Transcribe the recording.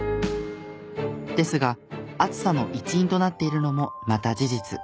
ですが暑さの一因となっているのもまた事実。